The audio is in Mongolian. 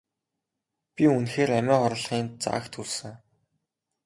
Би үнэхээр амиа хорлохын заагт хүрсэн.